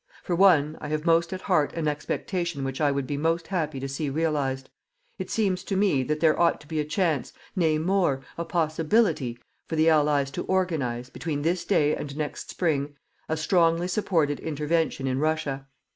For one, I have most at heart an expectation which I would be most happy to see realized. It seems to me that there ought to be a chance, nay more, a possibility, for the Allies to organize, between this day and next spring, a strongly supported intervention in Russia.